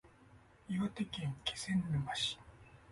岩手県気仙沼市